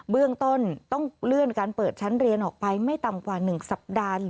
เบื้องต้นต้องเลื่อนการเปิดชั้นเรียนออกไปไม่ต่ำกว่า๑สัปดาห์